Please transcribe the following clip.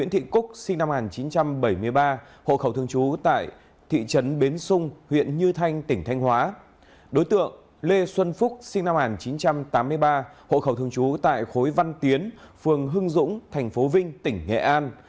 hộ khẩu thương chú tại khối văn tiến phường hưng dũng tp vinh tỉnh nghệ an